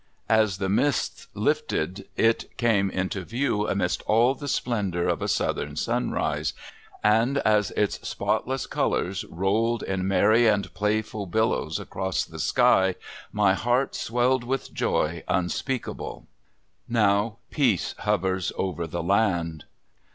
As the mists lifted it came into view amidst all the splendor of a southern sunrise, and as its spotless colors rolled in merry and playful billows across the sky my heart swelled with joy unspeakable. Now peace hovers over the land.